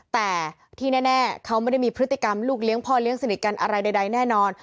แต่ที่แน่เขาไม่ได้มีพฤติกรรมลูกเลี้ยงพ่อเลี้ยงสนิทกันอะไรใดแน่นอน